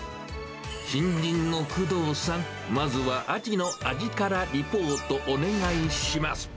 新人の工藤さん、まずはアジの味からリポートお願いします。